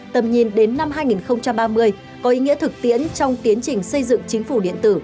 tầm nhìn đến năm hai nghìn ba mươi có ý nghĩa thực tiễn trong tiến trình xây dựng chính phủ điện tử